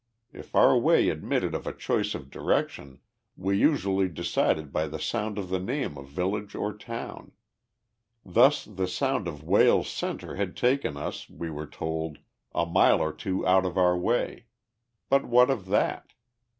If our way admitted of a choice of direction, we usually decided by the sound of the name of village or town. Thus the sound of "Wales Center" had taken us, we were told, a mile or two out of our way; but what of that?